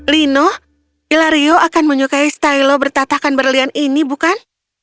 lino ilario akan menyukai stylo bertatakan berlian ini bukan